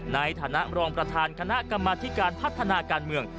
ในฐานะรองประธานคณะกรรมธิการพัฒนาการเมือง